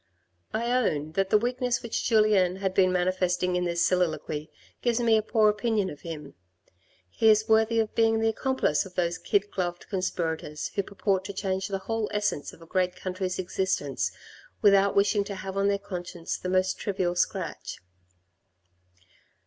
I own that the weakness which Julien had been manifesting in this soliloquy gives me a poor opinion of him. He is worthy of being the accomplice of those kid gloved conspirators who purport to change the whole essence of a great country's existence, without wishing to have on their conscience the most trivial scratch.